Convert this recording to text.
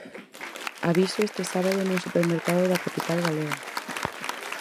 Aviso este sábado nun supermercado da capital galega.